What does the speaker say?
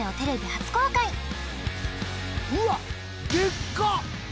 うわっ！